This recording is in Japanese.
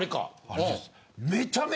あれです。